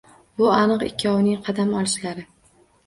Bu aniq ikkovining qadam olishlari